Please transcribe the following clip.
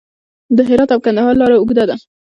د هرات او کندهار لاره اوږده ده